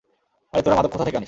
আরে তোরা মাদক কোথা থেকে আনিস?